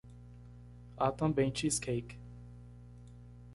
Há também cheesecake